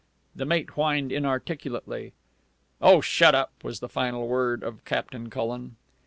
The mate whined inarticulately. "Oh, shut up!" was the final word of Captain Cullen.